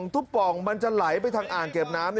ทุกปล่องมันจะไหลไปทางอ่างเก็บน้ำ